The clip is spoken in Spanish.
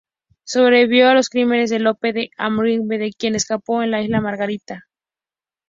Sobrevivió a los crímenes de Lope de Aguirre, de quien escapó en Isla Margarita.